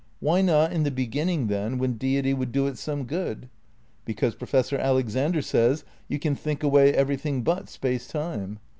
Why not in the beginning, then, when Deity would do it some good? Because, Professor Alexander says, you can think away everything but Space Time.